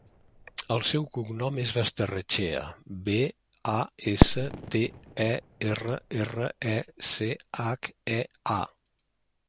El seu cognom és Basterrechea: be, a, essa, te, e, erra, erra, e, ce, hac, e, a.